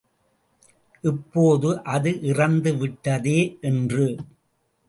இப்போது அது இறந்து விட்டதே என்று.